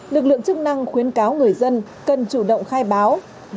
lực lượng chức năng khuyến cáo người dân cần chủ động khai báo